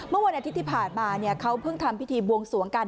เมื่อวันอาทิตย์ที่ผ่านมาเขาเพิ่งทำพิธีบวงสวงกัน